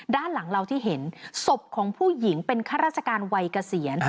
ด้านหลังเราที่เห็นศพของผู้หญิงเป็นข้าราชการวัยเกษียณ